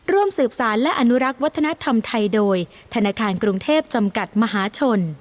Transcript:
ร่วมสืบสารและอนุรักษ์วัฒนธรรมไทยโดยธนาคารกรุงเทพจำกัดมหาชน